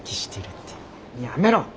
やめろ！